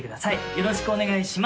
よろしくお願いします。